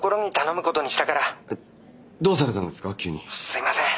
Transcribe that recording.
☎すいません。